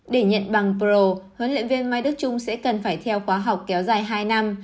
để nhận bằng pro huấn luyện viên mai đức trung sẽ cần phải theo khóa học kéo dài hai năm